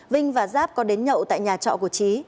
vinh và giáp có đến nhậu tại nhà trọ của trí